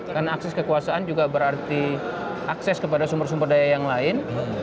karena akses kekuasaan juga berarti akses kepada sumber sumber daya yang lain